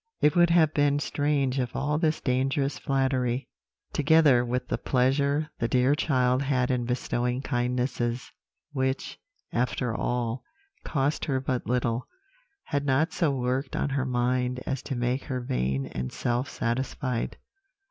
"It would have been strange if all this dangerous flattery, together with the pleasure the dear child had in bestowing kindnesses, which, after all, cost her but little, had not so worked on her mind as to make her vain and self satisfied.